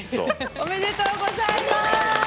おめでとうございます！